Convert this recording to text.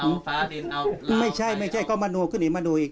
เอาเอาฟ้าดินเอาไม่ใช่ไม่ใช่ก็มะโนขึ้นอีกมะโนขึ้นอีก